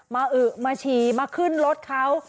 อึมาฉี่มาขึ้นรถเขา